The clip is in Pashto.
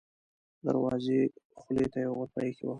د دروازې خولې ته یوه غرفه اېښې وه.